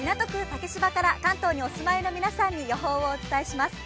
竹芝から関東にお住まいの皆さんに予報をお伝えします。